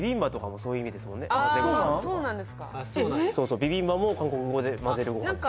そうそうビビンバも韓国語で「混ぜるご飯」です